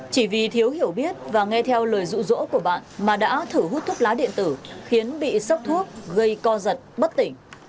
chỉ vì thiếu hiểu biết và nghe theo lời rụ rỗ của bạn mà đã thử hút thuốc lá điện tử khiến bị sốc thuốc gây co giật bất tỉnh